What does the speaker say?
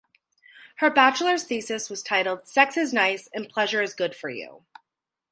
Her bachelor's thesis was titled Sex is Nice and Pleasure is Good for You.